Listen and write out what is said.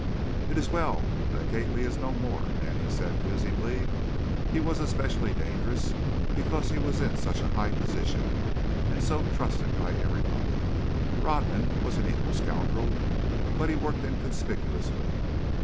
"It is well that Gately is no more," Manning said, musingly; "he was especially dangerous because he was in such a high position and so trusted by everybody. Rodman was an equal scoundrel, but he worked inconspicuously.